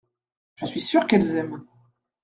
Je suis sûr qu’elles aiment.